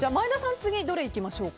次どれいきましょうか。